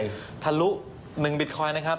เมื่อเช้านี่ทะลุ๑บิทคอยณ์นะครับ